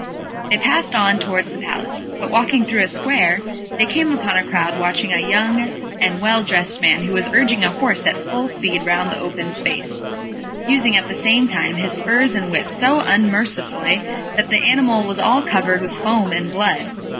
They passed on towards the palace, but walking through a square, they came upon a crowd watching a young and well dressed man who was urging a horse at full speed round the open space, using at the same time his spurs and whip so unmercifully that the animal was all covered with foam and blood.